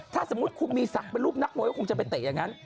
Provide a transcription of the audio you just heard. ถ้าสมมุติคุณมีศักดิ์เป็นลูกนักมวยก็คงจะไปเตะอย่างนั้น